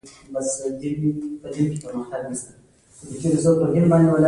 که تاسې په دې هکله کتاب خپور کړ نو ياد مو وي.